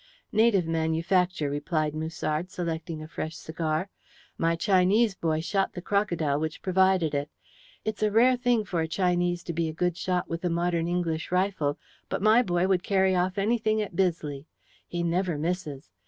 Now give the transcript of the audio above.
"Native manufacture," replied Musard, selecting a fresh cigar. "My Chinese boy shot the crocodile which provided it. It's a rare thing for a Chinese to be a good shot with a modern English rifle, but my boy would carry off anything at Bisley. He never misses.